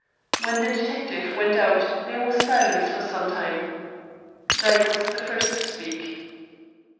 When the detective went out there was silence for some time. Dyke was the first to speak.